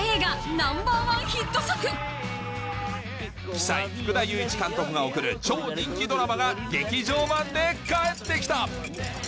鬼才福田雄一監督が送る超人気ドラマが劇場版で帰って来た